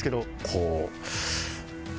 こう。